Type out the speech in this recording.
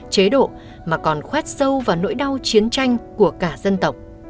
chế độ mà còn khoét sâu vào nỗi đau chiến tranh của cả dân tộc